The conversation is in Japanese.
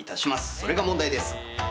それが問題です！